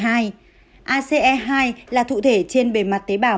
ace hai là cụ thể trên bề mặt tế bào